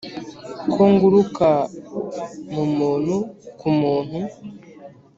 ko nguruka mu muntu ku muntu,